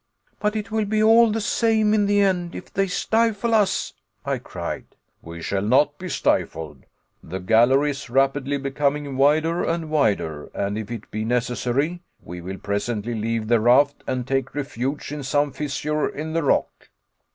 "But it will be all the same in the end if they stifle us," I cried. "We shall not be stifled. The gallery is rapidly becoming wider and wider, and if it be necessary, we will presently leave the raft and take refuge in some fissure in the rock."